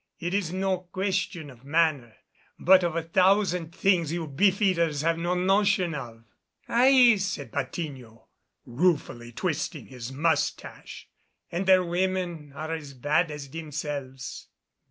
It is no question of manner, but of a thousand things you beef eaters have no notion of." "Aye," said Patiño, ruefully, twisting his mustache, "and their women are as bad as themselves."